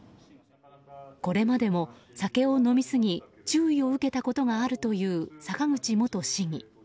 これまでも酒を飲みすぎ注意を受けたことがあるという坂口元市議。